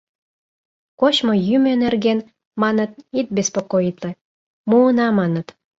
Кочмо-йӱмӧ нерген, маныт, ит беспокоитле, муына, маныт.